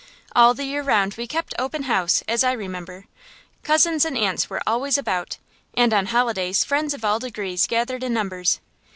All the year round we kept open house, as I remember. Cousins and aunts were always about, and on holidays friends of all degrees gathered in numbers.